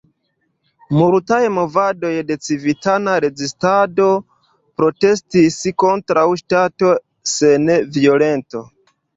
Multaj movadoj de civitana rezistado protestis kontraŭ ŝtato sen violento.